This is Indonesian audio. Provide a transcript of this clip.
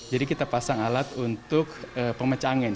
jadi kita pasang alat untuk pemecah angin